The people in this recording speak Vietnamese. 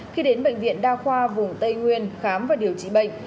khi đến bệnh viện đa khoa vùng tây nguyên khám và điều trị bệnh